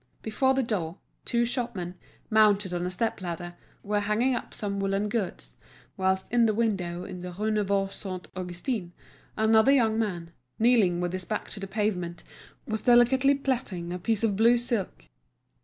Before the door, two shopmen, mounted on a step ladder, were hanging up some woollen goods, whilst in a window in the Rue Neuve Saint Augustin another young man, kneeling with his back to the pavement, was delicately plaiting a piece of blue silk.